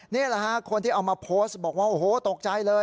นี่แหละฮะคนที่เอามาโพสต์บอกว่าโอ้โหตกใจเลย